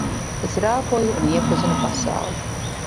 Es rāpoju un iepazinu pasauli.